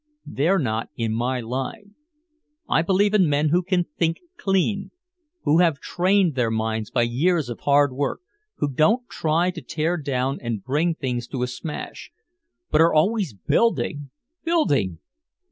They're not in my line. I believe in men who can think clean, who have trained their minds by years of hard work, who don't try to tear down and bring things to a smash, but are always building, building!